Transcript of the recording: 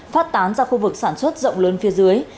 phát tán ra khu vực sản xuất rộng lớn phía dưới